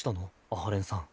阿波連さん。